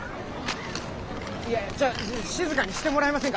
いやちょ静かにしてもらえませんか。